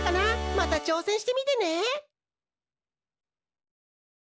またちょうせんしてみてね！